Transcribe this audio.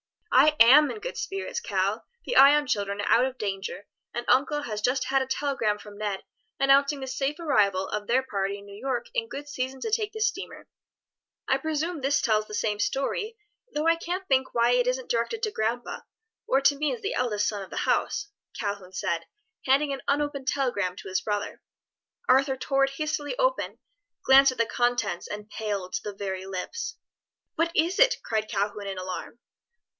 "I am in good spirits, Cal, the Ion children are out of danger, and uncle has just had a telegram from Ned announcing the safe arrival of their party in New York in good season to take the steamer." "I presume this tells the same story, though I can't think why it isn't directed to grandpa, or to me as the eldest son of the house," Calhoun said, handing an unopened telegram to his brother. Arthur tore it hastily open, glanced at the contents and paled to the very lips. "What is it?" cried Calhoun in alarm.